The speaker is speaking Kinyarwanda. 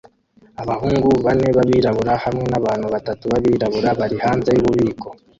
Abahungu bane b'abirabura hamwe n'abantu batatu b'abirabura bari hanze yububiko